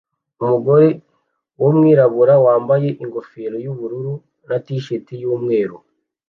Umugore wumwirabura wambaye ingofero yubururu na t-shirt yumweru